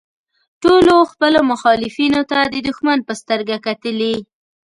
ټولو خپلو مخالفینو ته د دوښمن په سترګه کتلي.